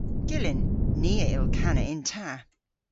Gyllyn. Ni a yll kana yn ta.